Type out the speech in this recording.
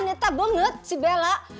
ya nyata banget si bela